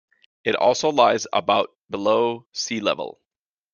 It also lies about below sea level.